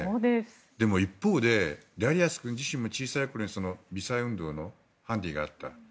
でも一方で、ダリアス君自身も小さいころに微細運動のハンディがあった。